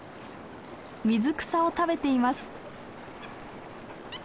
水草を食べています。